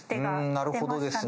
なるほどですね。